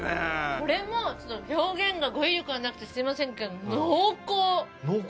これも表現の語彙力がなくてすみませんけど濃厚！